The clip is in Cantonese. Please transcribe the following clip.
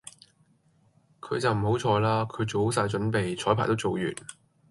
佢就唔好彩啦，佢做好曬準備，彩排都做完